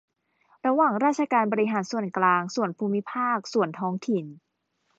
ระหว่างราชการบริหารส่วนกลาง ส่วนภูมิภาค ส่วนท้องถิ่น